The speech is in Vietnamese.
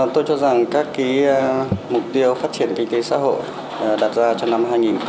tôi cho rằng các mục tiêu phát triển kinh tế xã hội đạt ra trong năm hai nghìn một mươi bảy